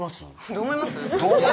どう思います？